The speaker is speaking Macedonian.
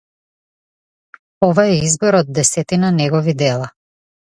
Ова е избор од десетина негови дела.